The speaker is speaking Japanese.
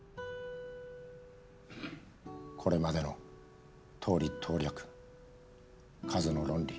これまでの党利党略数の論理